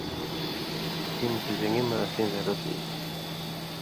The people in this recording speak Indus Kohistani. گِنہۡ چے جن٘گی مہ اسیں زرت ای تھی۔